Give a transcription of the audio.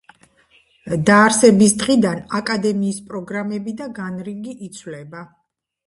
დაარსების დღიდან აკადემიის პროგრამები და განრიგი იცვლება.